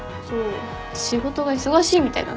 仕事が忙しいみたいだね。